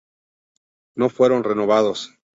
No fueron renovados.